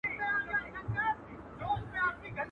ترخه وخوره، خو ترخه مه وايه.